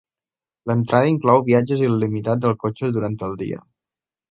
L'entrada inclou viatges il·limitats als cotxes durant el dia.